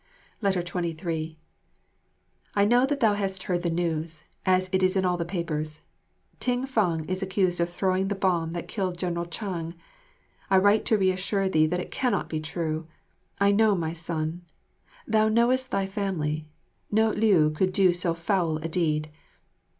23 I know that thou hast heard the news, as it is in all the papers. Ting fang is accused of throwing the bomb that killed General Chang. I write to reassure thee that it cannot be true. I know my son. Thou knowest thy family. No Liu could do so foul a deed.